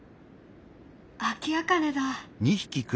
アキアカネだ。